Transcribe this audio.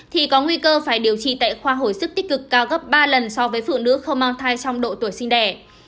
thì có nguy cơ phải điều trị tại khoa hồi sức tích cực cao gấp ba lần so với phụ nữ không mang thai trong độ tuổi sinh đẻ